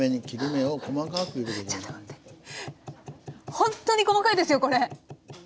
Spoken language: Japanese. ほんっとに細かいですよこれ。